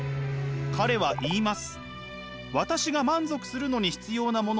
彼は言います。